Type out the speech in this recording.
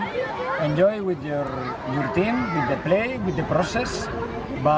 menikmati dengan timmu dengan permainan dengan prosesnya